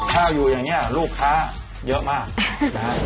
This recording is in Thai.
ถ้าอยู่อย่างนี้ลูกค้าเยอะมากนะฮะ